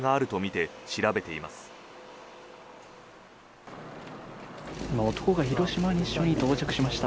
今、男が広島西署に到着しました。